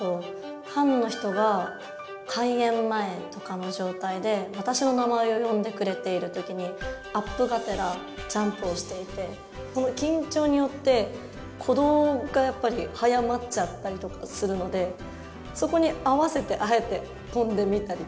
ファンの人が開演前とかの状態で私の名前を呼んでくれている時にアップがてらジャンプをしていて緊張によって鼓動がやっぱり速まっちゃったりとかするのでそこに合わせてあえて跳んでみたりとか。